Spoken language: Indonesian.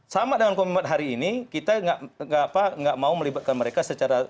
sama dengan komitmen hari ini kita nggak mau melibatkan mereka secara